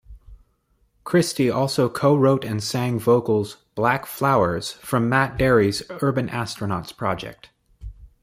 Kristy also co-wrote and sang vocals "Black Flowers" from Matt Darey's Urban Astronauts project.